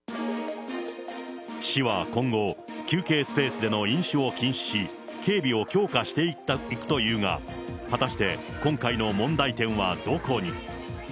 市は今後、休憩スペースでの飲酒を禁止し、警備を強化していくというが、果たして今回の問題点はどこに。